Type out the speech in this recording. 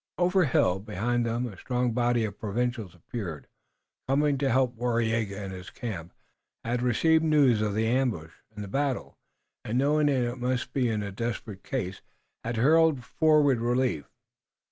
Over a hill behind them a strong body of provincials appeared coming to help. Waraiyageh in his camp had received news of ambush and battle, and knowing that his men must be in desperate case had hurried forward relief.